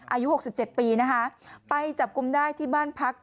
อายุ๖๗ปีนะคะไปจับกลุ่มได้ที่บ้านพัก